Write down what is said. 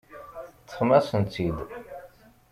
Teṭṭfem-asen-tt-id.